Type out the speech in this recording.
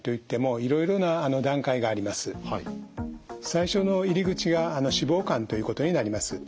最初の入り口が脂肪肝ということになります。